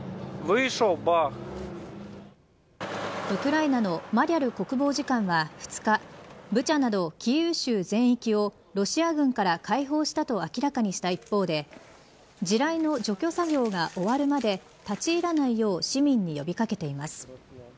ウクライナのマリャル国防次官は２日ブチャなどキーウ州全域をロシア軍から解放したと明らかにした一方で地雷の除去作業が終わるまで立ち入らないよう市民に呼び掛けています。